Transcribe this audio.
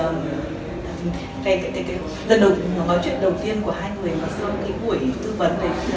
nói chuyện đầu tiên của hai người mà sau cái buổi thư vấn này